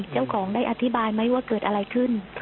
เจ้าของได้อธิบายไหมว่าเกิดอะไรขึ้น